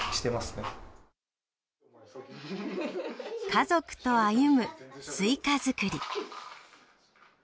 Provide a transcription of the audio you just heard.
家族と歩むスイカ作り。